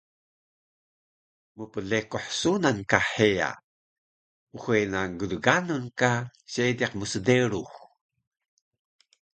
mplekuh sunan ka heya, uxe na glganun ka seediq msderux